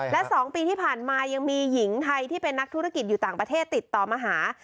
และ๒ปีที่ผ่านมายังมีหญิงไทยที่เป็นนักธุรกิจอยู่ต่างประเทศติดต่อมาหา